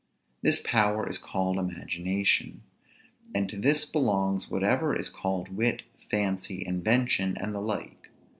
This power is called imagination; and to this belongs whatever is called wit, fancy, invention, and the like.